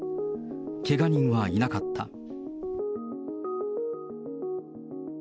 けが人はいなかった。